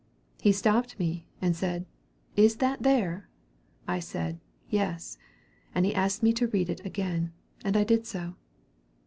"He stopped me, and said, 'Is that there?' I said, 'Yes;' and he asked me to read it again, and I did so.